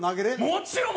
もちろん！